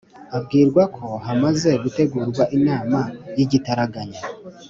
abwirwako hamaze gutegurwa inama yigitaraganya